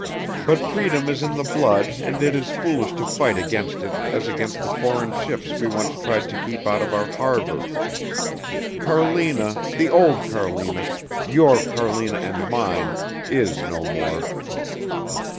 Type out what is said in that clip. But freedom is in the blood and it is as foolish to fight against it as against the foreign ships we once tried to keep out of our harbor. Carlina the old Carlina, your Carlina and mine, is no more."